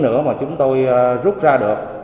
nữa mà chúng tôi rút ra được